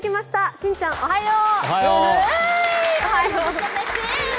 しんちゃん、おはよう！